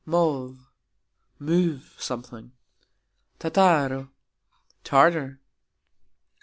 mov : move (something). tataro : Tartar.